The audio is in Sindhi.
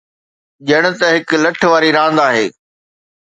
ڄڻ ته هڪ لٺ واري راند آهي.